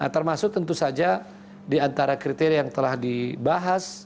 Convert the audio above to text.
termasuk tentu saja diantara kriteria yang telah dibahas